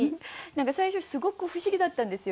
最初すごく不思議だったんですよ。